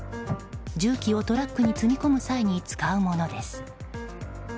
重機をトラックに積み込む際に使うものです。